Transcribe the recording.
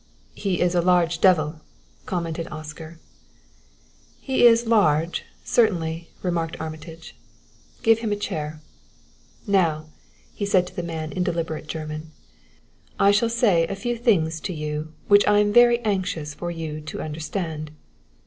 "He is a large devil," commented Oscar. "He is large, certainly," remarked Armitage. "Give him a chair. Now," he said to the man in deliberate German, "I shall say a few things to you which I am very anxious for you to understand.